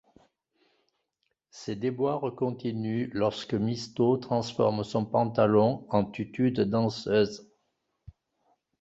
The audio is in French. Ses déboires continuent lorsque Mysto transforme son pantalon en tutu de danseuse.